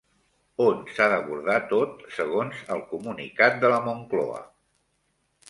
On s'ha d'abordar tot segons el comunicat de la Moncloa?